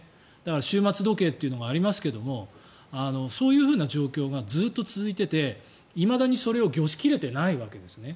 終末時計というのがありますけどそういう状況がずっと続いてていまだにそれを御しきれてないわけですね。